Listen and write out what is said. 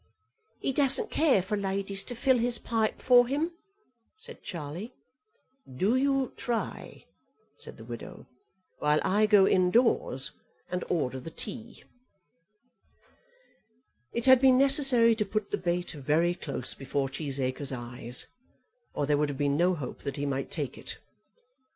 "He doesn't care for ladies to fill his pipe for him," said Charlie. "Do you try," said the widow, "while I go indoors and order the tea." It had been necessary to put the bait very close before Cheesacre's eyes, or there would have been no hope that he might take it.